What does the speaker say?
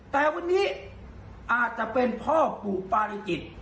แต่วันนี้อาจจะเป็นพ่อปู่ปาริจิต